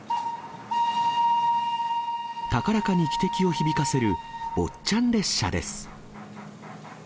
高らかに汽笛を響かせる坊ちゃん列車です。